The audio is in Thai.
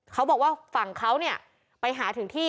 เขาบอกว่าฝั่งเขาเนี่ยไปหาถึงที่